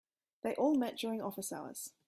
They all met during office hours.